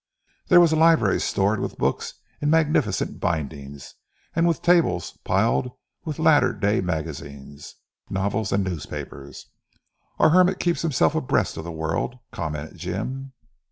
There was a library stored with books in magnificent bindings, and with tables piled with latter day magazines, novels and newspapers. "Our hermit keeps himself abreast of the world," commented Jim.